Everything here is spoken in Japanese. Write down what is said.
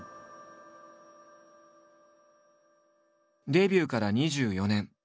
デビューから２４年。